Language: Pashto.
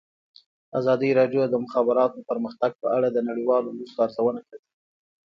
ازادي راډیو د د مخابراتو پرمختګ په اړه د نړیوالو مرستو ارزونه کړې.